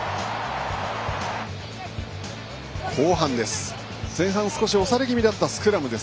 後半です。